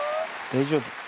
大丈夫。